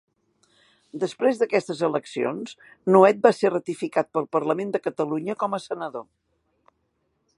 Després d'aquestes eleccions, Nuet va ser ratificat pel Parlament de Catalunya com a senador.